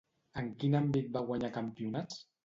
En quin àmbit va guanyar campionats?